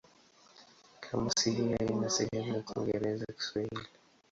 Kamusi hii haina sehemu ya Kiingereza-Kiswahili.